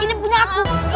yang apa yang ini